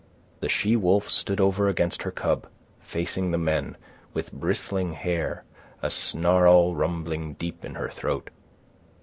The she wolf stood over against her cub, facing the men, with bristling hair, a snarl rumbling deep in her throat.